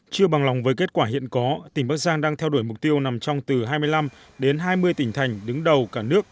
chưa bằng lòng với kết quả hiện có tỉnh bắc giang đang theo đuổi mục tiêu nằm trong từ hai mươi năm đến hai mươi tỉnh thành đứng đầu cả nước